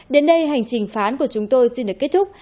đến đây hành trình phán của chúng tôi xin được kết thúc